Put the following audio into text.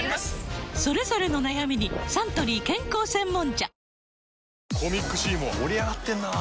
それぞれの悩みにサントリー健康専門茶